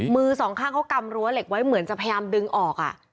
มือสองข้างเขากำรั้วเหล็กไว้เหมือนจะพยายามดึงออก